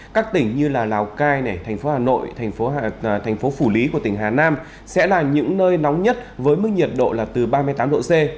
các tỉnh như là lào cai thành phố hà nội thành phố phủ lý của tỉnh hà nam sẽ là những nơi nóng nhất với mức nhiệt độ là từ ba mươi tám độ c